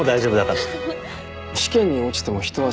試験に落ちても人は死なない。